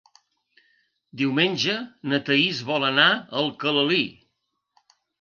Diumenge na Thaís vol anar a Alcalalí.